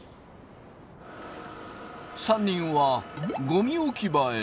３人はゴミ置き場へ。